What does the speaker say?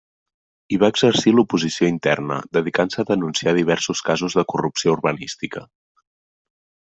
Hi va exercir l'oposició interna, dedicant-se a denunciar diversos casos de corrupció urbanística.